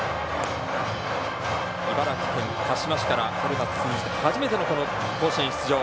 茨城県鹿嶋市から春夏通じて初めての甲子園出場。